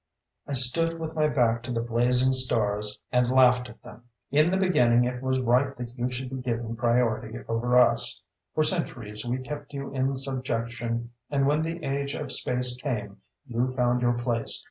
I stood with my back to the blazing stars and laughed at them. "In the beginning it was right that you should be given priority over us. For centuries we kept you in subjection and when the Age of Space came, you found your place.